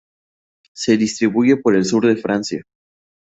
Se distribuye por el sur de Francia.